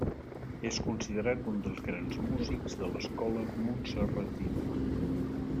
És considerat un dels grans músics de l'escola montserratina.